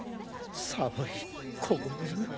寒い凍える